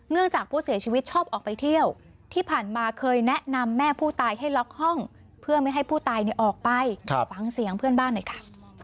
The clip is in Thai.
จากผู้เสียชีวิตชอบออกไปเที่ยวที่ผ่านมาเคยแนะนำแม่ผู้ตายให้ล็อกห้องเพื่อไม่ให้ผู้ตายออกไปฟังเสียงเพื่อนบ้านหน่อยค่ะ